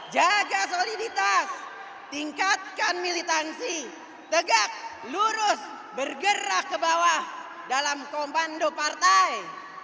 jaga soliditas tingkatkan militansi tegak lurus bergerak ke bawah dalam komando partai